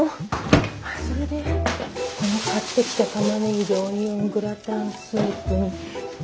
それでこの買ってきたタマネギでオニオングラタンスープに。